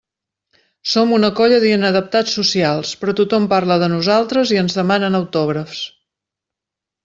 Som una colla d'inadaptats socials, però tothom parla de nosaltres i ens demanen autògrafs.